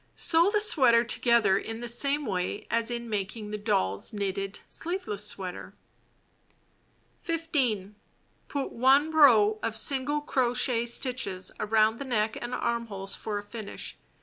Sew the sweater together in same way as in making the Doll's Knitted Sleeveless Sweater. 15. Put 1 row of single croclu^t stitches around the neck and armholes for a finish.